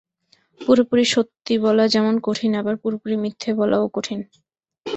পুরোপুরি সত্যি বলা যেমন কঠিন, আবার পুরোপুরি মিথ্যা বলাও কঠিন।